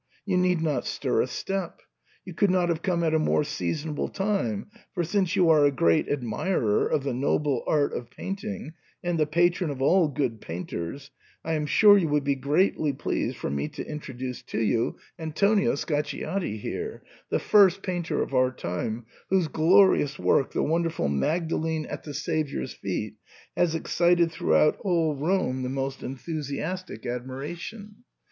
You need not stir a step ; you could not have come at a more season able time, for, since you are a great admirer of the noble art of painting, and the patron of all good paint ers, I am sure you will be greatly pleased for me to introduce to you Antonio Scacciati here, the first painter of our time, whose glorious work — the wonder ful 'Magdalene at the Saviour's Feet' — has excited throughout all Rome the most enthusiastic admiration. 100 SIGNOR fORMlCA.